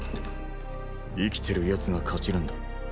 生きてるやつが勝ちなんだ。